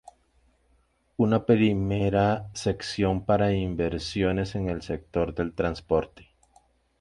Una primera sección para inversiones en el sector del transporte.